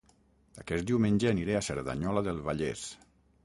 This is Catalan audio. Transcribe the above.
Aquest diumenge aniré a Cerdanyola del Vallès